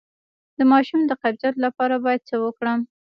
د ماشوم د قبضیت لپاره باید څه وکړم؟